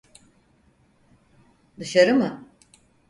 Dışarı mı?